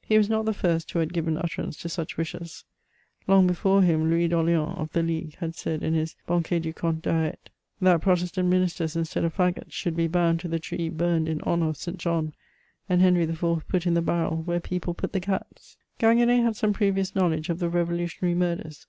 He was not the first who had giyen utterance to such wishes ; long before him, Louis D' Orleans, of the League, had said in his Banquet du Comte cTAr^te, "That Protestant ministers, instead of faggots, should be bound to the tree burned in honour of St. John, and Henry IV put in the barrel wliere people put the cats." Gingu^n^ had some previous knowledge of the revolutionary murders.